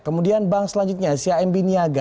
kemudian bank selanjutnya si amb niaga